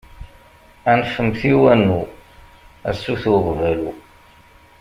Anfemt i wannu, a sut uɣbalu!